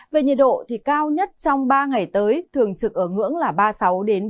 về nhiệt độ cao nhất trong ba ngày tới thường trực ở ngưỡng là ba mươi sáu ba mươi tám độ